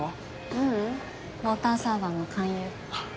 ううんウォーターサーバーの勧誘あっ